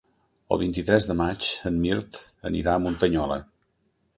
El vint-i-tres de maig en Mirt anirà a Muntanyola.